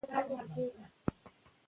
د پوزې بندښت ته پام وکړئ.